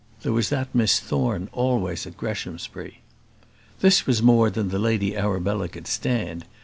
There was that Miss Thorne always at Greshamsbury. This was more than the Lady Arabella could stand.